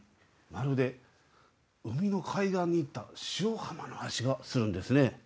まるで海の海岸に行った潮の味がするんですね。